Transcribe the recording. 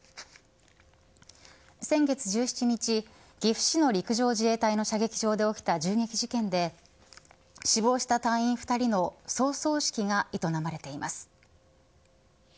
先月１７日、岐阜市の陸上自衛隊の射撃場で起きた銃撃事件で死亡した隊員２人の葬送式が営まれています。